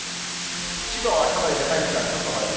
千葉はかなり長い時間、傘マーク。